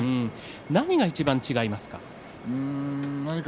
何がいちばん違いますか。